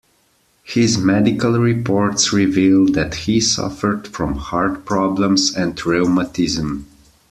His medical reports reveal that he suffered from heart problems and rheumatism.